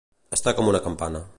Estar com una campana.